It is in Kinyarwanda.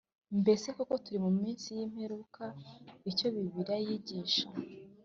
Mbese koko turi mu minsi y imperuka icyo bibiliya yigisha